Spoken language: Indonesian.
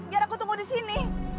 biar aku tunggu disini